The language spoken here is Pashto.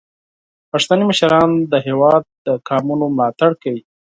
پښتني مشران د هیواد د قومونو ملاتړ کوي.